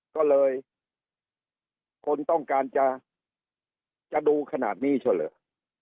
ก็เลยคนต้องการจะดูขนาดนี้เฉลอะ